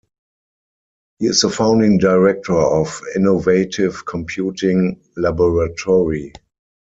He is the founding director of Innovative Computing Laboratory.